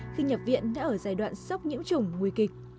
khi nhập viện đã ở giai đoạn sốc nhiễm trùng nguy kịch